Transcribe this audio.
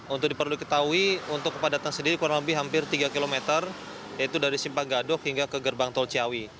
untuk perlu diketahui untuk kepadatan sendiri kurang lebih hampir tiga km yaitu dari simpang gadok hingga ke gerbang tol ciawi